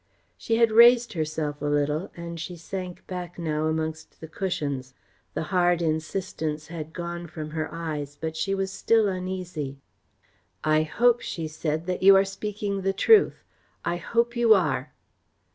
She had raised herself a little, and she sank back now amongst the cushions. The hard insistence had gone from her eyes but she was still uneasy. "I hope," she said, "that you are speaking the truth. I hope you are."